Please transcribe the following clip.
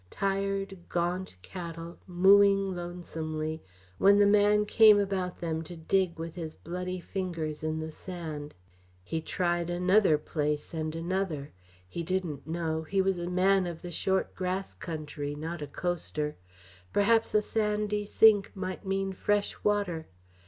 Tired, gaunt cattle mooing lonesomely, when the man came about them to dig with his bloody fingers in the sand. He tried another place, and another he didn't know he was a man of the short grass country, not a coaster; perhaps a sandy sink might mean fresh water.